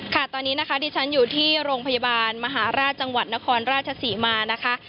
ค่ะตอนนี้นะคะดิฉันอยู่ที่โรงพยาบาลมหาราชจังหวัดนครราชศรีมานะคะ